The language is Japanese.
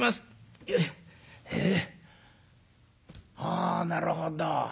あなるほど。